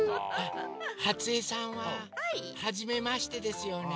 ハツ江さんははじめましてですよね？